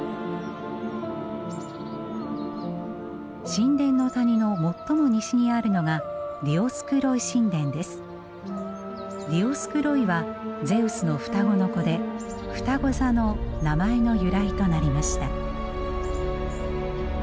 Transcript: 神殿の谷の最も西にあるのがディオスクロイはゼウスの双子の子でふたご座の名前の由来となりました。